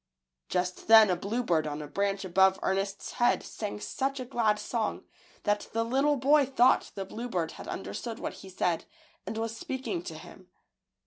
Just then a bluebird on a branch above Ernestos head sang such a glad song that the little boy thought the bluebird had under stood what he said, and was speaking to him.